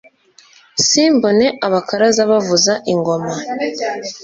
simbone abakaraza bavuza ingoma